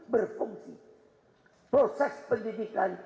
berfungsi proses pendidikan